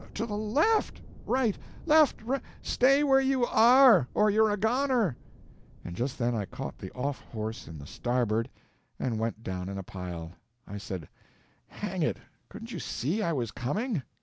—to the LEFT—right! left—ri—Stay where you ARE, or you're a goner!" And just then I caught the off horse in the starboard and went down in a pile. I said, "Hang it! Couldn't you SEE I was coming?"